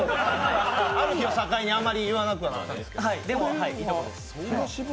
ある日を境にあまり言わなくなったんですけど。